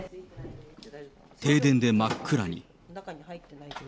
停電で真っ暗に。